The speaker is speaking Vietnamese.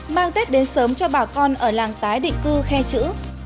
mang tết đến sớm cho bà con ở làng tái định cư khe chữ